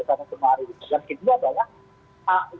dan kedua bahwa